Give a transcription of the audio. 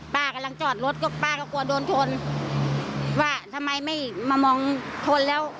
ป้ากำลังจอดรถก็ป้าก็กลัวโดนชนว่าทำไมไม่มามองชนแล้ว